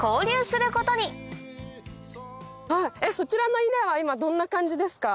そちらの稲は今どんな感じですか？